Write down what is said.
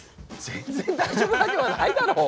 全然大丈夫なわけないだろう！